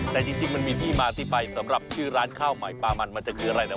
แต่จริงมันมีที่มาที่ไปสำหรับชื่อร้านข้าวใหม่ปลามันมันจะคืออะไรนะ